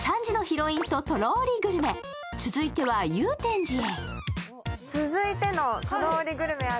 続いては祐天寺へ。